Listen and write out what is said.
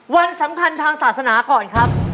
วันสำคัญทางศาสนาก่อนครับ